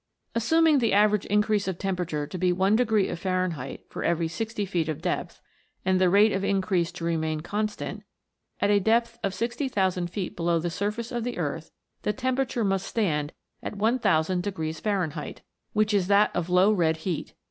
Assuming the average increase of temperature to be one degree of Fahrenheit for every 60 feet of depth, and the rate of increase to remain constant, at a depth of 60,000 feet below the surface of the earth the temperature must stand at 1000 degrees Fah renheit, which is that of low red heat.